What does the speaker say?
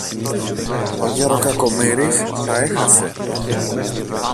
Ο γερο-Κακομοίρης τα έχασε.